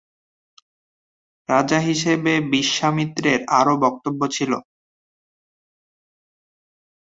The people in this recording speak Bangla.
রাজা হিসেবে বিশ্বামিত্রের আরও বক্তব্য ছিল।